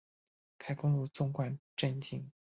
开公路纵贯镇境。